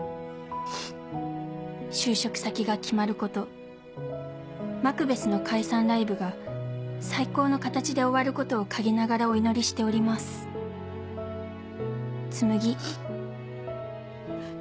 「就職先が決まること『マクベス』の解散ライブが最高の形で終わることを陰ながらお祈りしております。つむぎ」。